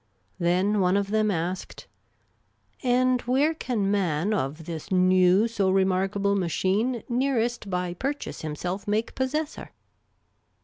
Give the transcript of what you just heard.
Then one of them asked, " And where can man of this new so remarkable machine nearest by pur chase himself make possessor